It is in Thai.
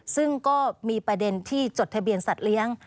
ซึ่งก็มีประเด็นที่จดทะเบียนสัตว์เลี้ยง